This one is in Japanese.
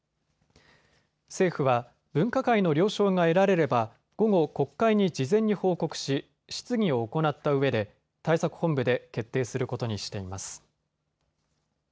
政府は分科会の了承が得られれば午後、国会に事前に報告し質疑を行ったうえで対策本部で決定することにしています。